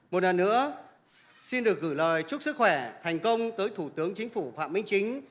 một lần nữa xin được gửi lời chúc sức khỏe thành công tới thủ tướng chính phủ phạm minh chính